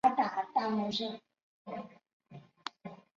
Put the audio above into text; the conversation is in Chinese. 络蛱蝶属是蛱蝶亚科网蛱蝶族中的一个属。